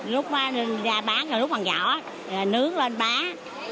lúc ra bán là lúc bằng giỏ nướng lên bán